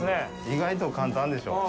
意外と簡単でしょう？